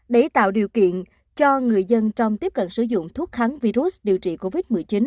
để tạo điều kiện cho người dân trong tiếp cận sử dụng thuốc kháng virus điều trị covid một mươi chín